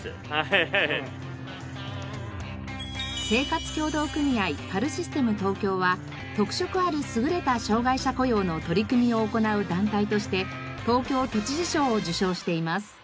生活協同組合パルシステム東京は特色ある優れた障がい者雇用の取り組みを行う団体として東京都知事賞を受賞しています。